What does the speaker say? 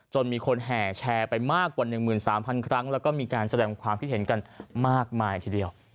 มีคนแห่แชร์ไปมากกว่า๑๓๐๐ครั้งแล้วก็มีการแสดงความคิดเห็นกันมากมายทีเดียว